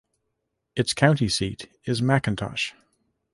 Its county seat is McIntosh.